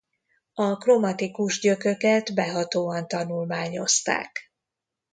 A kromatikus gyököket behatóan tanulmányozták.